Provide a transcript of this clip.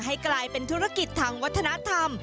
ให้กลายเป็นธุรกิจทางวัฒนธรรม